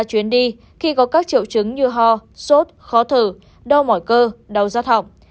chuyến đi khi có các triệu chứng như ho sốt khó thử đau mỏi cơ đau giác họng